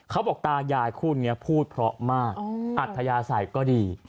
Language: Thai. เขาบอกตายายคู่นี้พูดเพราะมากอัธยาศัยก็ดี